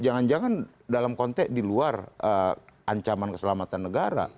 jangan jangan dalam konteks di luar ancaman keselamatan negara